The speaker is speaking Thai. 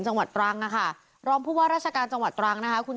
จังหวัดตรังนะคะรองผู้ว่าราชการจังหวัดตรังนะคะคุณ